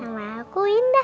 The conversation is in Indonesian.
nama aku indah